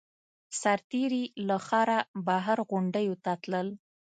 سرتېري له ښاره بهر غونډیو ته تلل